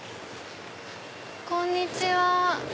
こんにちは！